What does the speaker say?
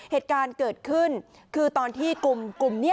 เหตุการณ์เกิดขึ้นคือตอนที่กลุ่มนี้